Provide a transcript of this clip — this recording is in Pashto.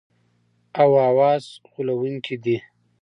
او حواس غولونکي دي.